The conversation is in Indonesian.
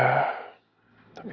ini kalau bukan demi kamu din